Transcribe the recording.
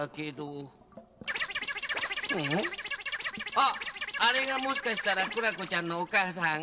あっあれがもしかしたらクラコちゃんのおかあさん？